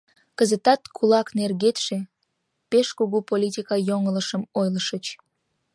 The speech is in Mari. Кызытат кулак нергеште пеш кугу политика йоҥылышым ойлышыч.